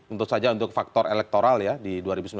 untuk saja untuk faktor elektoral ya di dua ribu sembilan belas